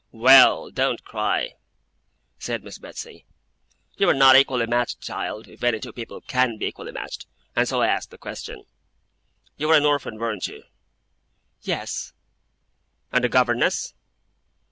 'Well! Don't cry!' said Miss Betsey. 'You were not equally matched, child if any two people can be equally matched and so I asked the question. You were an orphan, weren't you?' 'Yes.' 'And a governess?